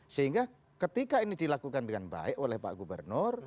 sehingga ketika ini dilakukan dengan baik oleh pak gubernur